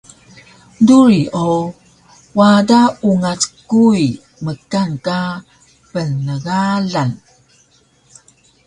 duri o wada ungac kuwi mkan ka pnegalang